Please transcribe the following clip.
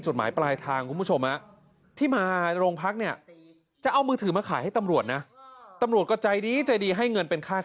จดหมายปลายทาง